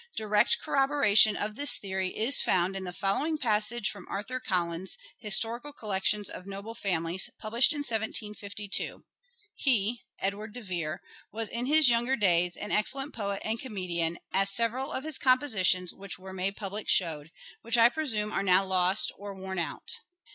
Direct corroboration of this theory is found in the following passage from Arthur Collins's " Historical Collections of Noble Families," published in 1752. " He (Edward de Vere) was in his younger days an excellent poet and comedian, as several of his compositions, which were made public showed ; which I presume are now lost or worn out."